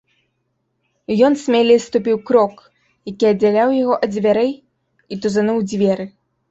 Ён смялей ступіў крок, які аддзяляў яго ад дзвярэй, і тузануў дзверы.